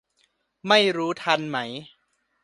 ไม่รู้ทันไหม